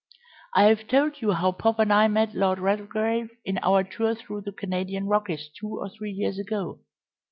I have told you how Pop and I met Lord Redgrave in our tour through the Canadian Rockies two or three years ago.